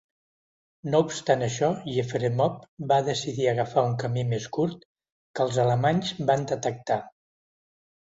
No obstant això, Yefremov va decidir agafar un camí més curt, que els alemanys van detectar.